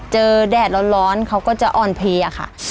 แดดร้อนเขาก็จะอ่อนเพลียค่ะ